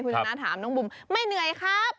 คุณชนะถามน้องบุ๋มไม่เหนื่อยครับ